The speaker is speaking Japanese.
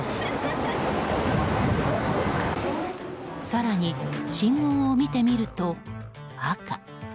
更に信号を見てみると、赤。